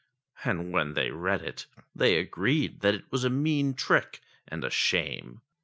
And when they read it, they agreed that it was a mean trick and a shame.